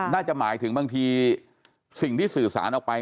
น่าจะหมายถึงบางทีสิ่งที่สื่อสารออกไป